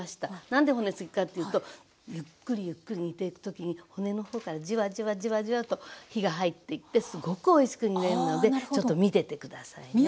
何で骨付きかっていうとゆっくりゆっくり煮ていく時に骨の方からじわじわじわじわと火が入っていってすごくおいしく煮えるのでちょっと見てて下さいね。